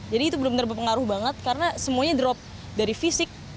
jadi itu benar benar berpengaruh banget karena semuanya drop dari fisik